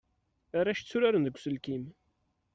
Arac tturaren deg uselkim.